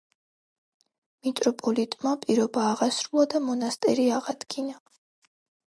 მიტროპოლიტმა პირობა აღასრულა და მონასტერი აღადგინა.